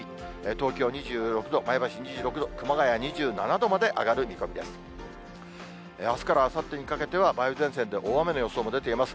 東京２６度、前橋２６度、熊谷２７度まで上がる見込みです。